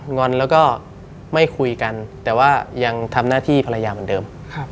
งอนแล้วก็ไม่คุยกันแต่ว่ายังทำหน้าที่ภรรยาเหมือนเดิม